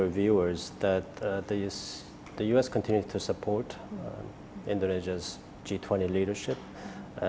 amerika serikat terus mendukung pemerintah g dua puluh indonesia